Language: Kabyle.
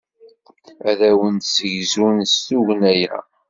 Ad awen-d-ssegzun s tugna-a.